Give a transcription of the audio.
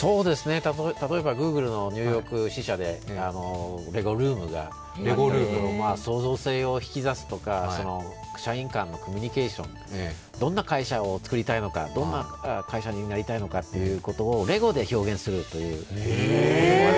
例えばＧｏｏｇｌｅのニューヨーク支社でレゴルームがありますけど、創造性を引き出すとか社員間のコミュニケーション、どんな会社をつくりたいのか、どんな会社になりたいのかということをレゴで表現するという。